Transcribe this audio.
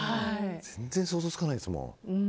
全然、想像つかないですもん。